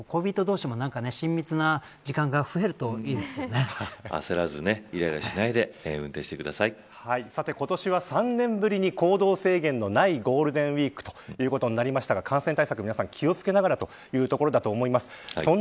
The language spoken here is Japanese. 恋人同士も親密な時間が焦らず無理をしないでさて今年は３年ぶりに行動制限のないゴールデンウイークということになりましたが感染対策、皆さん気を付けながらというところだと思います。